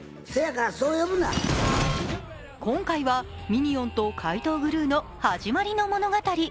今回はミニオンと怪盗グルーの始まりの物語。